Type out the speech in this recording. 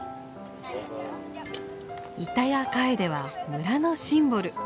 イタヤカエデは村のシンボル。